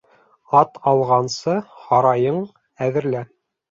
Ат алғансы, һарайың әҙерлә.